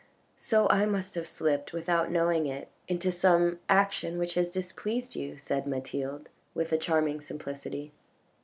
"So I must have slipped, without knowing it, into some action which has displeased you," said Mathilde with a charming simplicity.